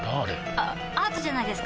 あアートじゃないですか？